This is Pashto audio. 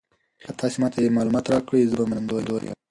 که تاسي ما ته معلومات راکړئ زه به منندوی یم.